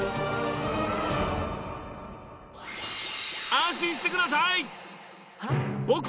安心してください！